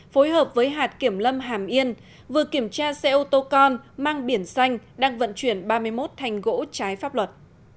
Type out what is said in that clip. phối hợp với hạt kiểm lâm hàm yên vừa kiểm tra xe ô tô con mang biển xanh đang vận chuyển ba mươi một thành gỗ trái pháp luật